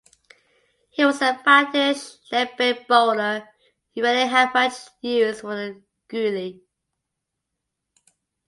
He was a fastish leg-break bowler who rarely had much use for the googly.